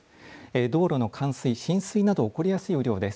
道路の冠水、浸水など起こりやすい雨量です。